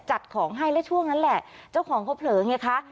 จัดของให้และช่วงนั้นแหละเจ้าของเขาเผลอไงคะ